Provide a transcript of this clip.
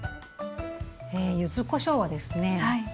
柚子こしょうはですね